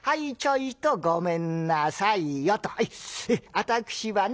私はね